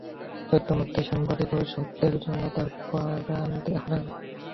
সত্যমূর্তি সাংবাদিকতা ও সত্যের জন্য তার প্রাণ হারান।